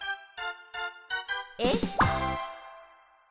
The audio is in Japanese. えっ？